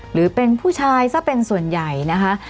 หรือเป็นผู้ชายซะเป็นส่วนใหญ่นะคะ